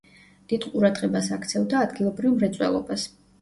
დიდ ყურადღებას აქცევდა ადგილობრივ მრეწველობას.